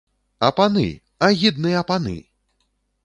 А паны, агідныя паны!